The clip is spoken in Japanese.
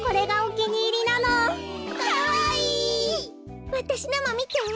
わたしのもみて。